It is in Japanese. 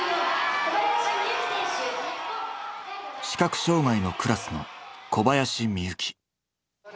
視覚障がいのクラスの小林深雪。